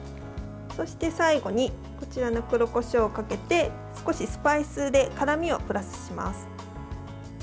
そして最後にこちらの黒こしょうをかけて少しスパイスで辛みをプラスします。